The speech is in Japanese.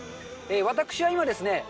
私は今ですね